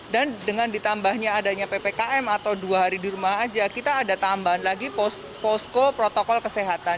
dan dengan ditambahnya adanya ppkm atau dua hari di rumah saja kita ada tambahan lagi posko protokol kesehatan